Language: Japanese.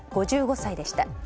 ５５歳でした。